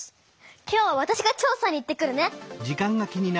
今日はわたしが調さに行ってくるね！